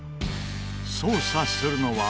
捜査するのは。